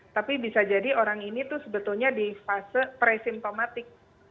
tapi bisa jadi orang ini tuh sebetulnya di fase presimptomatik